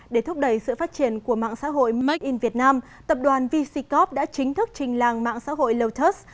để thúc đẩy sự phát triển của mạng xã hội made in vietnam tập đoàn vc corp đã chính thức trình làng mạng xã hội lotus